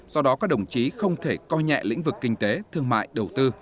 do đó các đồng chí không thể coi nhẹ lĩnh vực kinh tế thương mại đầu tư